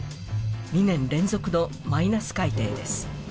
２年連続のマイナス改定です。